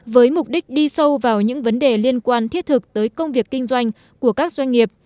với mục đích đi sâu vào những vấn đề liên quan thiết thực tới công việc kinh doanh của các doanh nghiệp